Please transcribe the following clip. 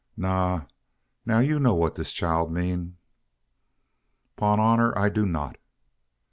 "Na, now; you know what dis chile mean?" "'Pon honour, I do not."